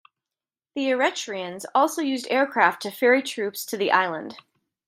The Eritreans also used aircraft to ferry troops to the island.